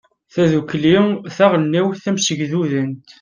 tadukli taɣelnawt tamsegdudant